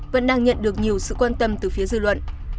vẫn đang nhận được nhiều sự quan tâm từ phía dư luận